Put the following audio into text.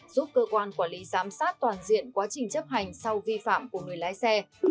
giúp cơ quan quản lý giám sát toàn diện quá trình chấp hành sau vi phạm của người lái xe